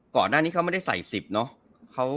ก่อนหน้านี้เขาไม่ได้ใส่๑๐เนอะ